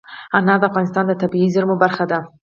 انار د افغانستان د طبیعي زیرمو برخه ده.